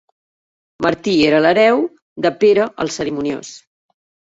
Martí era l'hereu de Pere el Cerimoniós.